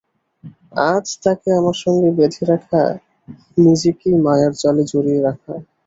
আজ তাকে আমার সঙ্গে বেঁধে রাখা নিজেকেই মায়ার জালে জড়িয়ে রাখা মাত্র।